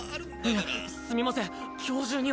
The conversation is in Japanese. いやすみません今日中には。